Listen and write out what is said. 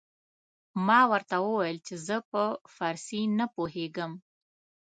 ما ورته وويل چې زه په فارسي نه پوهېږم.